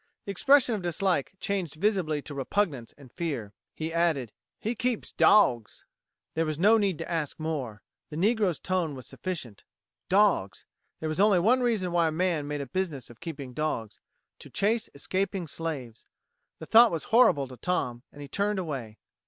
The expression of dislike changed visibly to repugnance and fear. He added: "He keeps dawgs!" There was no need to ask more. The negro's tone was sufficient. Dogs! There was only one reason why a man made a business of keeping dogs to chase escaping slaves. The thought was horrible to Tom, and he turned away.